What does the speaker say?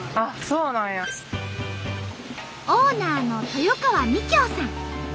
オーナーの豊川美京さん。